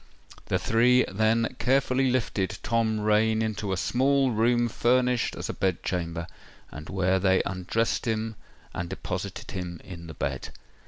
The three then carefully lifted Tom Rain into a small room furnished as a bed chamber, and where they undressed him and deposited him in the bed.